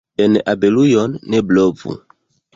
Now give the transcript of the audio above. En abelujon ne blovu.